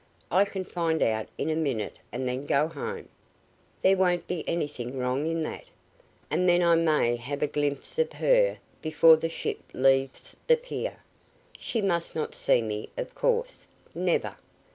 I can find out in a minute and then go home. There won't be anything wrong in that. And then I may have a glimpse of her before the ship leaves the pier. She must not see me, of course. Never!